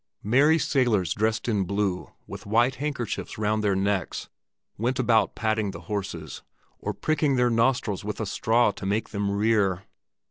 Merry sailors dressed in blue with white handkerchiefs round their necks went about patting the horses, or pricking their nostrils with a straw to make them rear.